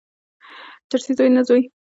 چرسي زوی، نه زوی.